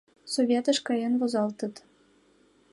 Советыш каен возалтыт.